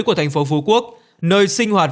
của thành phố phú quốc nơi sinh hoạt